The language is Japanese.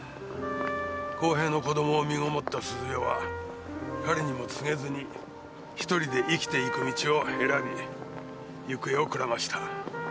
康平の子供を身ごもった鈴代は彼にも告げずにひとりで生きていく道を選び行方をくらました。